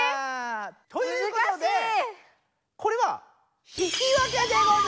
ということでこれは引き分けでございます！